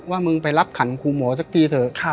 ว่ามึงไปรับขันครูหมอสักทีเถอะ